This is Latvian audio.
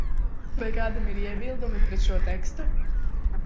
Vai kādam ir iebildumi pret šo tekstu?